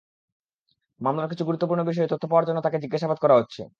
মামলার কিছু গুরুত্বপূর্ণ বিষয়ে তথ্য পাওয়ার জন্য তাঁকে জিজ্ঞাসাবাদ করা হচ্ছে।